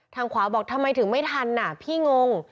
ทางขวาบอกทำไมถึงไม่ทันพี่งง